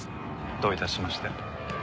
どういたしまして。